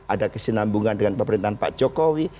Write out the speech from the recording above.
ada kesinambungan dengan pemerintahan pak jokowi